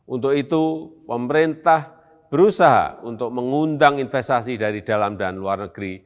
untuk itu pemerintah berusaha untuk mengundang investasi dari dalam dan luar negeri